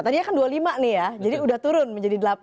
tadinya kan dua puluh lima nih ya jadi udah turun menjadi delapan